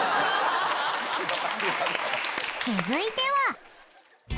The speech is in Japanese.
続いては。